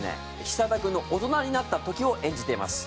久田君の大人になった時を演じています。